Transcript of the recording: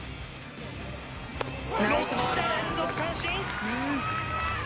６者連続三振。